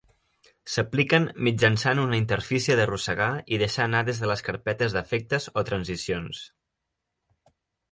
S'apliquen mitjançant una interfície d'arrossegar i deixar anar des de les carpetes d'efectes o transicions.